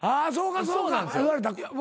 そうかそうか。